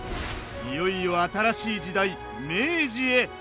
いよいよ新しい時代明治へ！